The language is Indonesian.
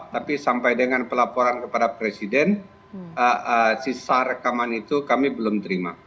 tapi sampai dengan pelaporan kepada presiden sisa rekaman itu kami belum terima